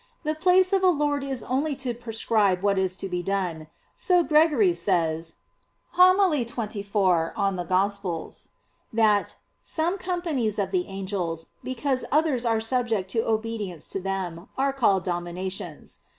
The place of a lord is only to prescribe what is to be done. So Gregory says (Hom. xxiv in Evang.), that "some companies of the angels, because others are subject to obedience to them, are called dominations."